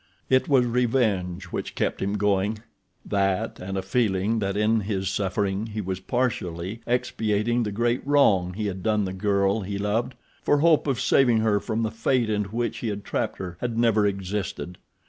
It was revenge which kept him going—that and a feeling that in his suffering he was partially expiating the great wrong he had done the girl he loved—for hope of saving her from the fate into which he had trapped her had never existed.